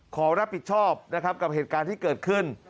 ขอรับผิดชอบนะครับกับเหตุการณ์ที่เกิดขึ้น